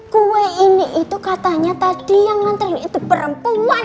kue ini itu katanya tadi yang nganterin itu perempuan